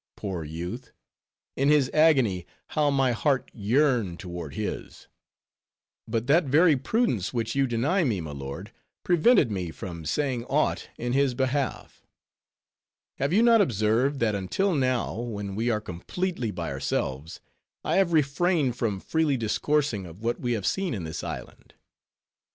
Poor youth! in his agony, how my heart yearned toward his. But that very prudence which you deny me, my lord, prevented me from saying aught in his behalf. Have you not observed, that until now, when we are completely by ourselves, I have refrained from freely discoursing of what we have seen in this island?